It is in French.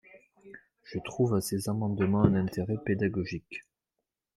Je trouve à ces amendements un intérêt pédagogique.